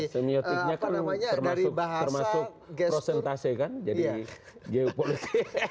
semiotiknya kan termasuk prosentase kan jadi geopolitik